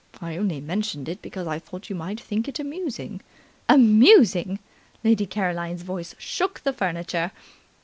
I only mentioned it because I thought you might think it amusing." "Amusing!" Lady Caroline's voice shook the furniture.